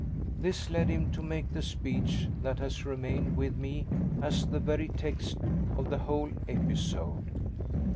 This led him to make the speech that has remained with me as the very text of the whole episode.